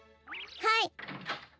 はい。